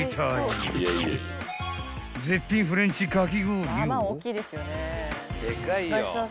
［絶品フレンチかき氷を］